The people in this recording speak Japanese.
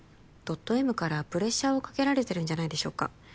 ドットＭからプレッシャーをかけられてるんじゃないでしょうか